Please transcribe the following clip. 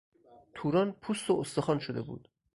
توران پوست و استخوان شده بود.